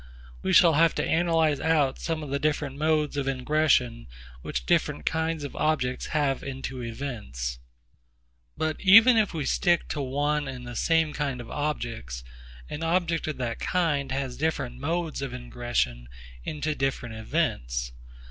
We shall have to analyse out some of the different modes of ingression which different kinds of objects have into events. But even if we stick to one and the same kind of objects, an object of that kind has different modes of ingression into different events.